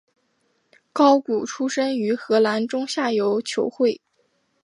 高古出身于荷兰中下游球会。